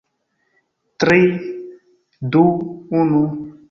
Tri... du... unu...